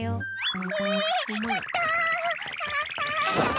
ちょっと。